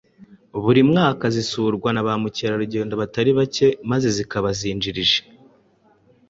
Buri mwaka zisurwa na ba Mukerarugendo batari bake maze zikaba zinjirije